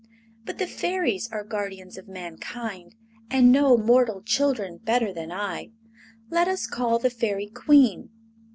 But the Fairies are guardians of mankind, and know mortal children better than I. Let us call the Fairy Queen."